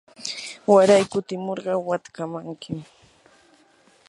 waray kutimurqa watkamankim.